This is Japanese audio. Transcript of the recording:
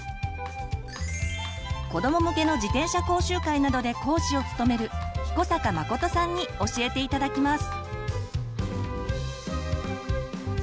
子ども向けの自転車講習会などで講師を務める彦坂誠さんに教えて頂きます。